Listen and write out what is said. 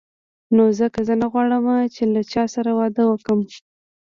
نو ځکه زه نه غواړم چې له چا سره واده وکړم.